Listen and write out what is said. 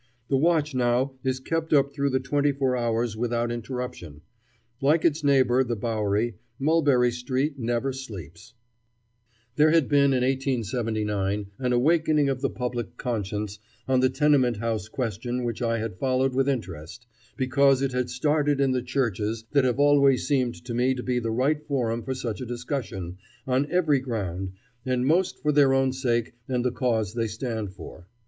The watch now is kept up through the twenty four hours without interruption. Like its neighbor the Bowery, Mulberry Street never sleeps. [Illustration: General Ely Parker, Chief of the Six Nations.] There had been in 1879 an awakening of the public conscience on the tenement house question which I had followed with interest, because it had started in the churches that have always seemed to me to be the right forum for such a discussion, on every ground, and most for their own sake and the cause they stand for.